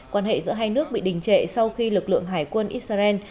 quan hệ giữa hai nước bị đình trệ sau khi lực lượng hải quân israel